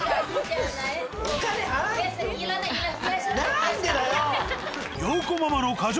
何でだよ！